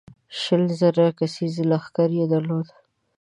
شل زره کسیز لښکر یې درلود.